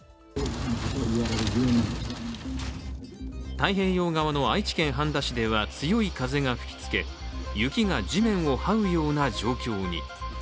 太平洋側の愛知県半田市では、強い風が吹きつけ、雪が地面をはうような状況に。